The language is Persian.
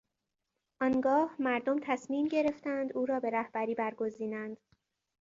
آنگاه مردم تصمیم گرفتند او را به رهبری برگزینند.